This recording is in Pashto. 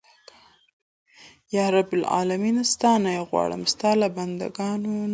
یا رب العالمینه ستا نه یې غواړم ستا له بنده ګانو نه.